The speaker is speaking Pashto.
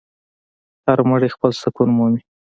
هر مړی خپل سکون مومي.